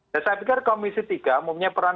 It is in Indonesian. saya pikir komisi tiga mempunyai peran